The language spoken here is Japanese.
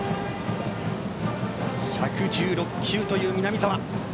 １１６球という南澤。